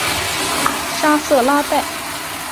沙瑟拉代。